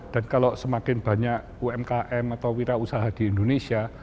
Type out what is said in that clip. dan kalau semakin banyak umkm atau wira usaha di indonesia